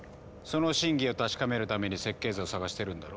その真偽を確かめるために設計図をさがしてるんだろ。